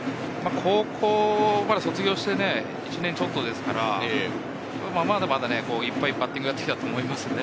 高校を卒業して１年ちょっとですから、まだまだいっぱいバッティングをやってきたと思います。